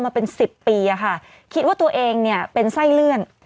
มาเป็นสิบปีอะค่ะคิดว่าตัวเองเนี่ยเป็นไส้เลื่อน